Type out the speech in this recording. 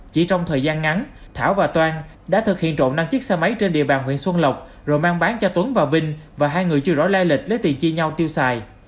chỉ trong thời gian ngắn thảo và toan đã thực hiện trộn năm chiếc xe máy trên địa bàn huyện xuân lộc rồi mang bán cho tuấn và vinh và hai người chưa rõ lai lịch lấy tiền chia nhau tiêu xài